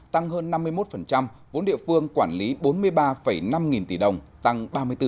tăng hơn năm mươi một vốn địa phương quản lý bốn mươi ba năm nghìn tỷ đồng tăng ba mươi bốn